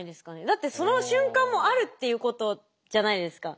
だってその瞬間もあるっていうことじゃないですか。